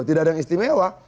tidak ada yang istimewa